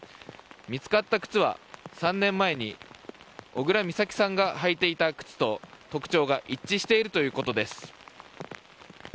見つかった靴は３年前に小倉美咲さんが履いていた靴と特徴が一致しているということです。